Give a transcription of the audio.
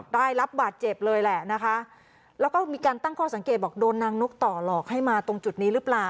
ได้รับบาดเจ็บเลยแหละนะคะแล้วก็มีการตั้งข้อสังเกตบอกโดนนางนกต่อหลอกให้มาตรงจุดนี้หรือเปล่า